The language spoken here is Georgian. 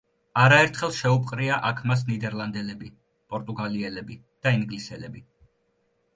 არაერთხელ შეუპყრია აქ მას ნიდერლანდელები, პორტუგალიელები და ინგლისელები.